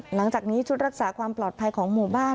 หลังจากนี้ชุดรักษาความปลอดภัยของหมู่บ้าน